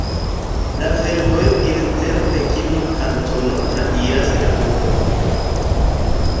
La fervojo inter Pekino-Kantono trairas la urbon.